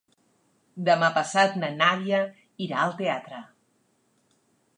Demà passat na Nàdia irà al teatre.